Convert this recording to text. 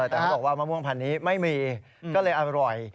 แต่เขาบอกว่ามะม่วงพันนี้ไม่มีก็เลยอร่อย